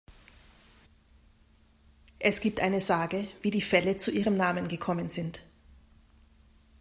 Es gibt eine Sage, wie die Fälle zu ihrem Namen gekommen sind.